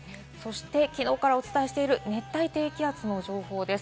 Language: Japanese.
きのうからお伝えしている熱帯低気圧の情報です。